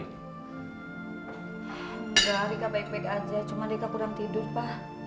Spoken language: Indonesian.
enggak rika baik baik aja cuma rika kurang tidur pa